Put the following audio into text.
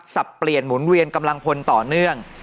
สับเปลี่ยนหมุนเวียนกำลังพลต่อเนื่อง